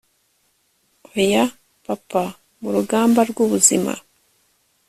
Oya papa mu rugamba rwubuzima